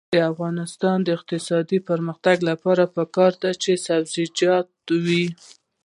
د افغانستان د اقتصادي پرمختګ لپاره پکار ده چې سبزیجات وي.